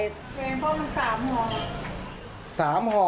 เพลงเพราะมัน๓ห่อ